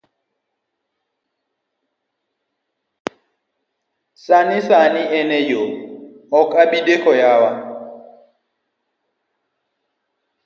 Sani sani an eyo, ok abideko yawa.